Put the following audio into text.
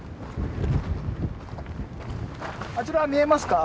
あちら見えますか？